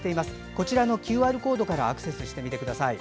こちらのＱＲコードからアクセスしてください。